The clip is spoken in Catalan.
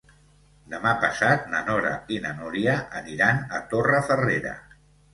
Demà passat na Nora i na Núria aniran a Torrefarrera.